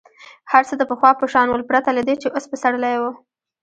هر څه د پخوا په شان ول پرته له دې چې اوس پسرلی وو.